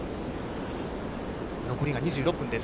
残りが２６分です。